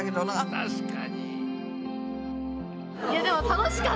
確かに。